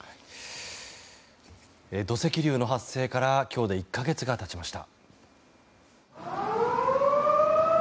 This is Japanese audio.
土石流の発生から今日で１か月が経ちました。